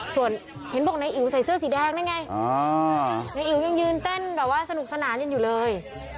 ส่วนเห็นบอกนายอิ๋วใส่เสื้อสีแดงนั่นไงนายอิ๋วยังยืนเต้นแบบว่าสนุกสนานกันอยู่เลย